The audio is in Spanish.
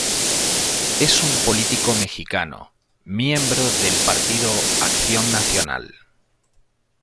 Es un político mexicano, miembro del Partido Acción Nacional.